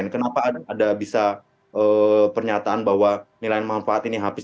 kenapa ada bisa pernyataan bahwa nilai manfaat ini habis